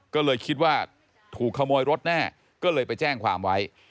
ก็เลยคิดว่าถูกขโมยรถแน่ก็เลยไปแจ้งความไว้